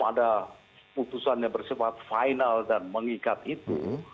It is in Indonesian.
sehingga keputusan ini sudah bersifat final dan mengikat itu